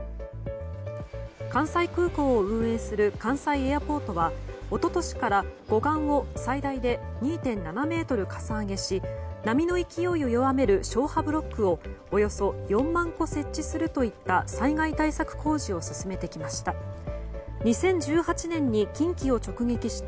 関西空港を運営する関西エアポートは一昨年から護岸を最大で２．７ｍかさ上げし波の勢いを弱める消波ブロックをおよそ４万個設置するといった災害対策工事を進めてきました。